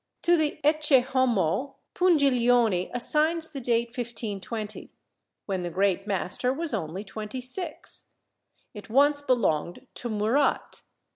To the "Ecce Homo" Pungileoni assigns the date 1520, when the great master was only twenty six. It once belonged to Murat.